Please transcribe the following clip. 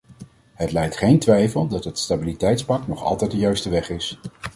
Het lijdt geen twijfel dat het stabiliteitspact nog altijd de juiste weg is.